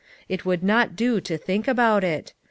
It would not do to think about it.